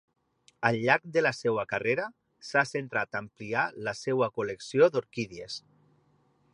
Al llarg de la seva carrera, s'ha centrat a ampliar la seva col·lecció d'orquídies.